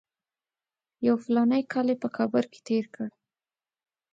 یو فلاني کال یې په کابل کې تېر کړ.